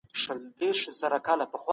رسنۍ دا موضوع تعقیبوي.